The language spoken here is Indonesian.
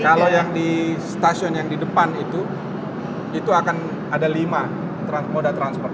kalau yang di stasiun yang di depan itu itu akan ada lima moda transportasi